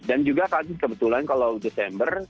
dan juga tadi kebetulan kalau desember